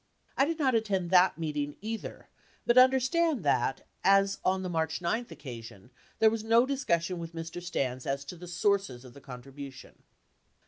I did not attend that meeting either, but understand that, as on the March 9 occasion, there was no discussion with Mr. Stans as to the sources of the contribu tion.